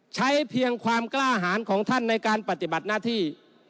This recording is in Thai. ใช้เพียงความกล้าหารของท่านในการปฏิบัติหน้าที่